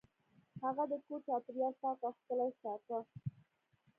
هغه د کور چاپیریال پاک او ښکلی ساته.